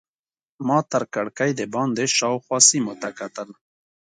ما تر کړکۍ دباندې شاوخوا سیمو ته کتل.